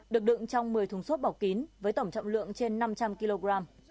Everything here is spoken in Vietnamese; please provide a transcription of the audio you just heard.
được đựng trong một mươi thùng xốp bọc kín với tổng trọng lượng trên năm trăm linh kg